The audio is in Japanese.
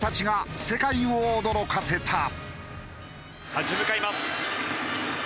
立ち向かいます。